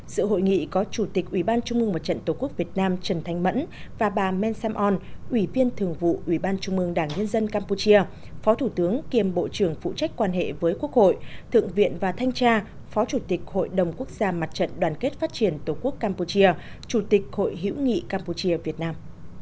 sự hội nghị có chủ tịch ủy ban trung mương mặt trận tổ quốc việt nam trần thanh mẫn và bà mensam on ủy viên thường vụ ủy ban trung mương đảng nhân dân campuchia phó thủ tướng kiêm bộ trưởng phụ trách quan hệ với quốc hội thượng viện và thanh tra phó chủ tịch hội đồng quốc gia mặt trận đoàn kết phát triển tổ quốc campuchia chủ tịch hội hữu nghị campuchia việt nam